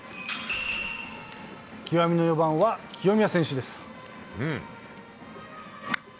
極みの４番は清宮選手です。